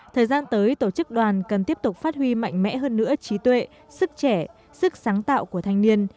thời gian tới tổ chức đoàn cần tiếp tục phát huy mạnh mẽ hơn nữa trí tuệ sức trẻ sức sáng tạo của thanh niên